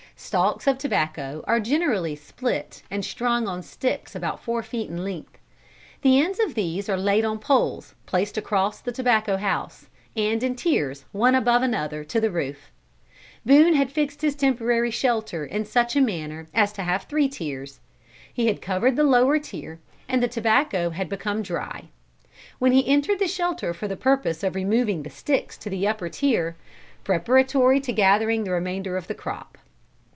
Stalks of tobacco are generally split and strung on sticks about four feet in length. The ends of these are laid on poles placed across the tobacco house, and in tiers one above another, to the roof. Boone had fixed his temporary shelter in such a manner as to have three tiers. He had covered the lower tier and the tobacco had become dry; when he entered the shelter for the purpose of removing the sticks to the upper tier, preparatory to gathering the remainder of the crop.